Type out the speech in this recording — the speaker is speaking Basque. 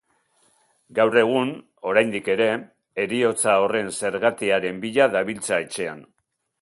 Gaur egun, oraindik ere, heriotza horren zergatiaren bila dabiltza etxean.